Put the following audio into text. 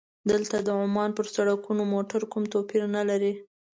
دلته د عمان پر سړکونو موټر کوم توپیر نه لري.